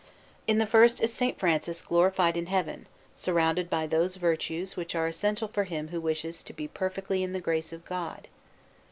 In the first is S. Francis glorified in Heaven, surrounded by those virtues which are essential for him who wishes to be perfectly in the grace of God.